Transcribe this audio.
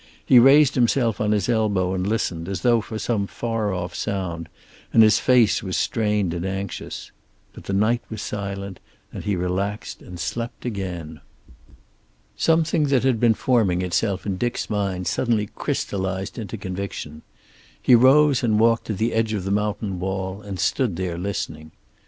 He raised himself on his elbow and listened, as though for some far off sound, and his face was strained and anxious. But the night was silent, and he relaxed and slept again. Something that had been forming itself in Dick's mind suddenly crystallized into conviction. He rose and walked to the edge of the mountain wall and stood there listening.